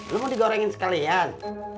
lo mau digorengin sekalian